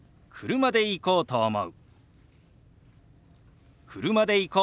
「車で行こうと思う」。